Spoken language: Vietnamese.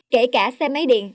kể cả xe máy điện